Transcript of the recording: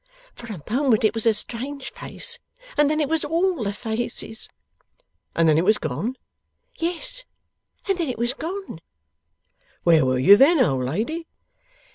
For a moment it was a strange face, and then it was all the faces.' 'And then it was gone?' 'Yes; and then it was gone.' 'Where were you then, old lady?